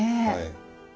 はい。